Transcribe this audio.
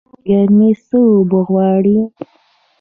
ګرمي څه اوبه غواړي؟